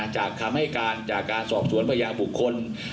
จากคาห์มให้การสอบศูนย์พยาบุคคล